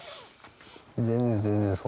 全然全然です